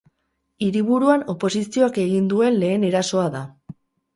Hiriburuan oposizioak egin duen lehen erasoa da.